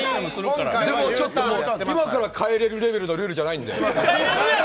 今から変えれるレベルのルールじゃないんで。